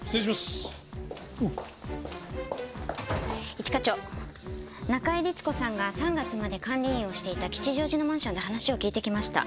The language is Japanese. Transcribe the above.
一課長中井律子さんが３月まで管理員をしていた吉祥寺のマンションで話を聞いてきました。